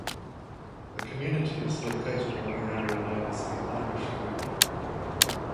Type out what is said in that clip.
The community is located on the area known as The Irish Loop.